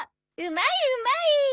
うまいうまい！